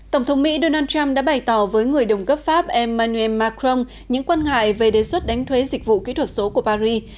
tổng thống mỹ donald trump đã bày tỏ với người đồng cấp pháp emmanuel macron những quan ngại về đề xuất đánh thuế dịch vụ kỹ thuật số của paris